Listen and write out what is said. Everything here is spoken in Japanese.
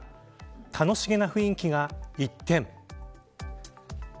楽しげな雰囲気が一転。